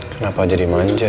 kenapa jadi manja ya